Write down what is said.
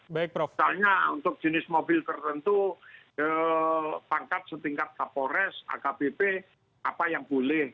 misalnya untuk jenis mobil tertentu pangkat setingkat kapolres akbp apa yang boleh